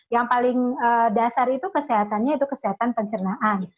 yang paling dasar itu kesehatannya itu kesehatan pencernaan